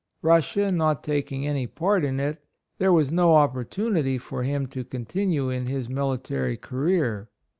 Russia not taking any part in it, there was no opportunity for him to continue in his military career.